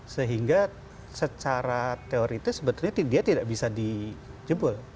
sehingga secara teoritis sebetulnya dia tidak bisa di jebul